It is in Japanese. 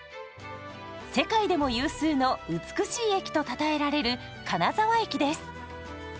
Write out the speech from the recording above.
世界でも有数の美しい駅とたたえられる金沢駅です。